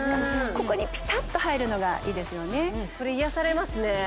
ここにピタッと入るのがいいですよねそれ癒やされますね